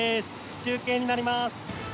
中継になりまーす。